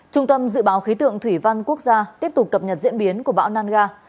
trung tâm dự báo khí tượng thủy văn quốc gia tiếp tục cập nhật diễn biến của bão nangar